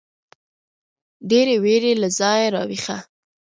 ډېـرې وېـرې له ځايـه راويـښه.